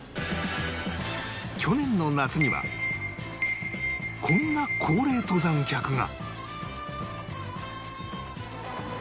去年の夏にはこんな高齢登山客が